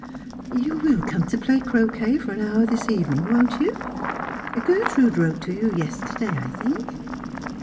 '• You will come to play croquet for an hour this evening, won't you ? Gertrude wrote to you yesterday, I think."